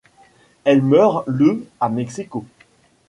Elle meurt le à Mexico.